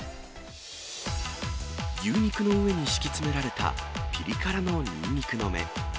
牛肉の上に敷き詰められた、ピリ辛のニンニクの芽。